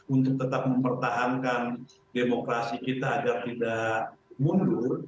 untuk tetap mempertahankan demokrasi kita agar tidak mundur